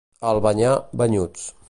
A Albanyà, banyuts.